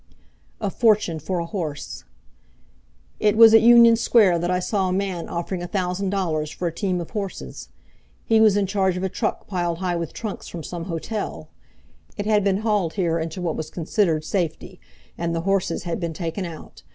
A Fortune for a Horse! It was at Union Square that I saw a man offering a thousand dollars for a team of horses. He was in charge of a truck piled high with trunks from some hotel. It had been hauled here into what was considered safety, and the horses had been taken out.